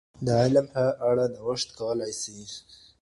د علم په اړه نوښت کولای سي.